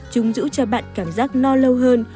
chúng giữ cho bạn cảm giác no lâu hơn